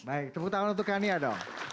baik tepuk tangan untuk kania dong